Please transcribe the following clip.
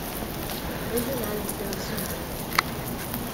Regionalliga Süd.